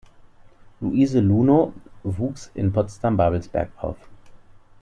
Luise Lunow wuchs in Potsdam-Babelsberg auf.